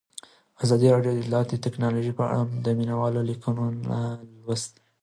ازادي راډیو د اطلاعاتی تکنالوژي په اړه د مینه والو لیکونه لوستي.